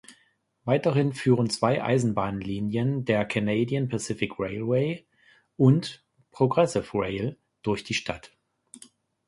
Weiterhin führen zwei Eisenbahnlinien der Canadian Pacific Railway und Progressive Rail durch die Stadt.